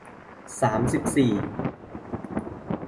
สามสิบสี่